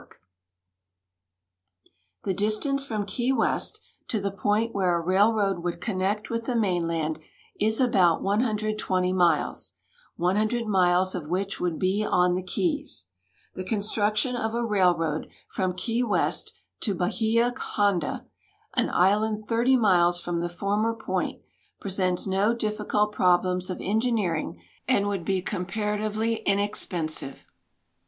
ACROSS THE GULF BY RAIL TO KEY WEST 205 The distance from Ke}"^ West to the point where a railroad would connect with the mainland is about T20 miles, 100 miles of which would be on the keys. The construction of a railroad from Key West to Bahia Honda, an island 30 miles from the former point, presents no difficult problems of engineering and would be comparatively inexpensive.